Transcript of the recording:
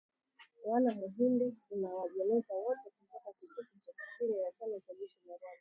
Yoano Muhindi Uwajeneza, wote kutoka kikosi cha sitini na tano cha jeshi la Rwanda